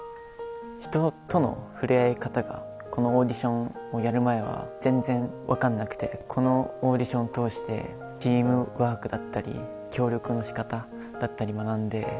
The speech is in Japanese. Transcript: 人との触れ合い方が、このオーディションをやる前は、全然分かんなくて、このオーディションを通して、チームワークだったり、協力のしかただったり、学んで。